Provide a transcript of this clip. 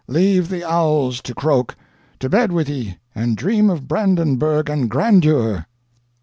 Leave the owls to croak. To bed with ye, and dream of Brandenburgh and grandeur!"